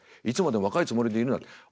「いつまでも若いつもりでいるな」って。